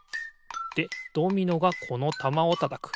でドミノがこのたまをたたく。